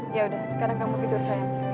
yaudah sekarang kamu tidur sayang